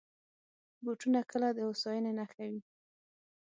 بوټونه کله د هوساینې نښه وي.